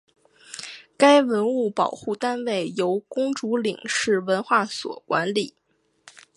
该文物保护单位由公主岭市文管所管理。